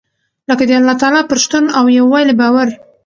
لکه د الله تعالٰی پر شتون او يووالي باور .